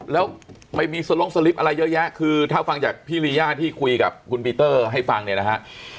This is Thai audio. แล้วไม่มีสลงสลิปอะไรเยอะแยะคือถ้าฟังจากพี่ลีย่าที่คุยกับคุณปีเตอร์ให้ฟังเนี่ยนะฮะ